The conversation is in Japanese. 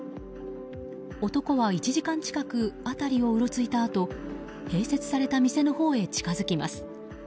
男は１時間近く辺りをうろついたあと併設された店のほうへ近づきます。